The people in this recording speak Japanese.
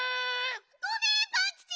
ごめんパンキチ！